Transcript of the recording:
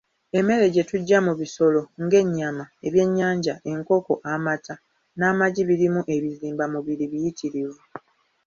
Emmere gye tujja mu bisolo nga ennyama, ebyenyanja, enkoko, amata, n'amagi birimu ebizimbamubiri biyitirivu.